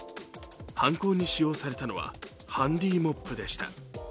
犯行に使用されたのはハンディモップでした。